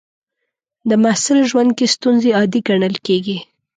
د محصل ژوند کې ستونزې عادي ګڼل کېږي.